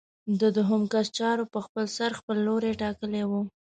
د دویم کس چارو په خپلسر خپل لوری ټاکلی وي.